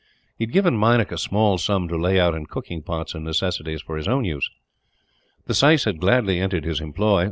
He had given Meinik a small sum to lay out in cooking pots and necessaries for his own use. The syce had gladly entered his employ.